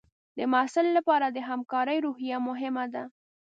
د محصل لپاره د همکارۍ روحیه مهمه ده.